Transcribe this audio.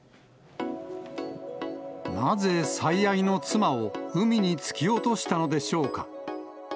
なぜ最愛の妻を海に突き落としたのでしょうか。